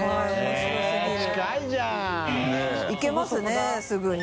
佑А行けますねすぐに。